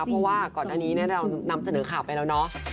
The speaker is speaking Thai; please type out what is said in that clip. เพราะว่าก่อนหน้านี้เรานำเสนอข่าวไปแล้วเนาะ